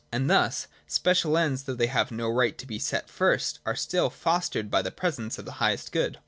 And thus, special ends, though they have no right to be set first, are still fostered by the presence of the highest good.